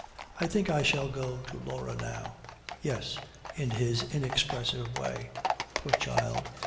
'I think I shall go to Laura now.' 'Yes,' in his inexpressive way. 'Poor child!'